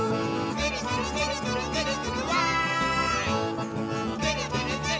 「ぐるぐるぐるぐるぐるぐるわい！」